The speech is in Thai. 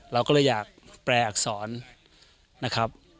เราก็เลยอยากแปลอักษรนะครับ